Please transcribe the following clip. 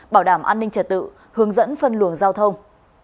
bảo đảm an ninh trật tự hướng dẫn phân luồng giao thông